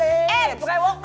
eh berawak gue